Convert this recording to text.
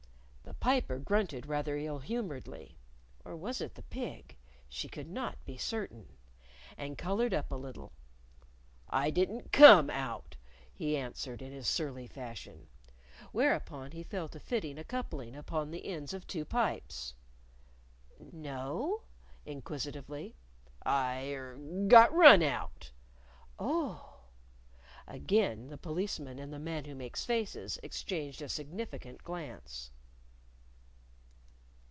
The Piper grunted rather ill humoredly (or was it the pig? she could not be certain), and colored up a little. "I didn't come out," he answered in his surly fashion. Whereupon he fell to fitting a coupling upon the ends of two pipes. "No?" inquisitively. "I er got run out." "Oh!" Again the Policeman and the Man Who Makes Faces exchanged a significant glance.